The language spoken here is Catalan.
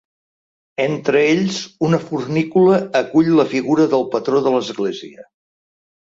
Entre ells, una fornícula acull la figura del patró de l'església.